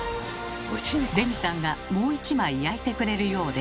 レミさんがもう一枚焼いてくれるようです。